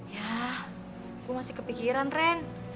ya gue masih kepikiran rin